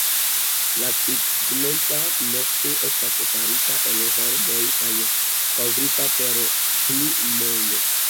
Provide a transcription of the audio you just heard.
La tegmenta nesto estas farita el herboj kaj kovrita per plumoj.